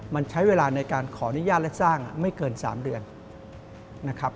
มันใช้เวลาในการขออนุญาตและสร้างไม่เกิน๓เดือนนะครับ